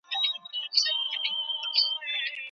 د زړه مانیټور څه ښیي؟